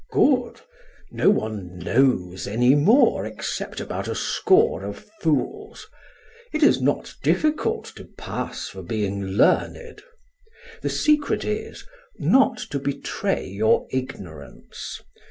"Good, no one knows any more except about a score of fools. It is not difficult to pass for being learned. The secret is not to betray your ignorance.